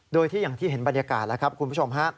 โดยที่อย่างที่เห็นบรรยากาศแล้วครับคุณผู้ชมฮะ